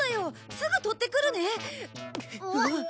すぐ取ってくるね。